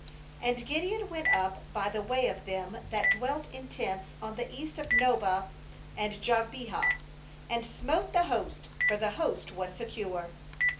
uAnd Gideon went up by the way of them that dwelt in tents on the east of Nobah and Jogbehah, and smote the host; for the host was secure.